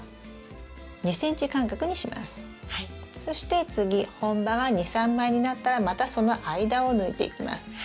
そして次本葉が２３枚になったらまたその間を抜いていきます。